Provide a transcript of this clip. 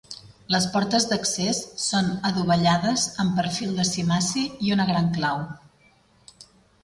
Les portes d'accés són adovellades amb perfil de cimaci i una gran clau.